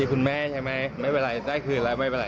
ดีคุณแม่ใช่ไหมได้คืนแล้วไม่เป็นไร